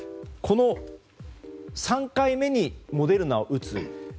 この３回目にモデルナを打つ。